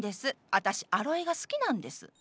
私アロエが好きなんです。